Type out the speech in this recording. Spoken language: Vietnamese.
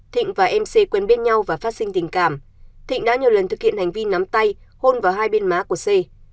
thịnh và mc quen biết nhau và phát sinh tình cảm thịnh đã nhiều lần thực hiện hành vi nắm tay hôn vào hai bên má của xê